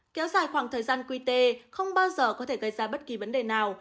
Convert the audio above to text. kéo dài khoảng thời gian quy tê không bao giờ có thể gây ra bất kỳ vấn đề nào